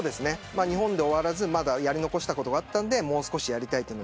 日本で終わらずにまだやり残したことがあったんでもう少しやりたいと。